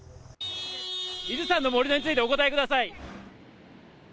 伊豆山の盛り土についてお答えください。